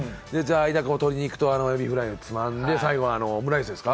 鶏肉とエビフライつまんで、最後がオムライスですか？